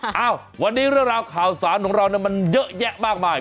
อ้าววันนี้เรื่องราวข่าวสารของเรามันเยอะแยะมากมาย